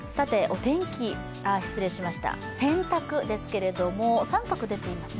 洗濯ですけれども△出ていますね。